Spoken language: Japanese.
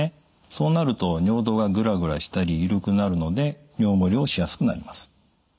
そうなると尿道がグラグラしたりゆるくなるので尿漏れをしやすくなります。